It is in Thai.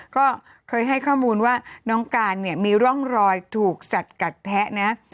ก็เคยให้ข้อมูลว่าน้องการเนี่ยมีร่องรอยถูกสัดกัดแทะนะ